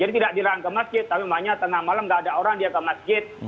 jadi tidak dirang ke masjid tapi makanya tengah malam tidak ada orang dia ke masjid